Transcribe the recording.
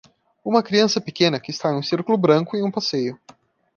Uma criança pequena que está em um círculo branco em um passeio.